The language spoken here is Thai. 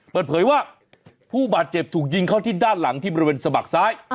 เปิดเผยว่าผู้บาดเจ็บถูกยิงเข้าที่ด้านหลังที่บริเวณสะบักซ้าย